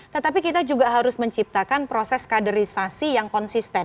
tetapi kita juga harus menciptakan proses kaderisasi yang konsisten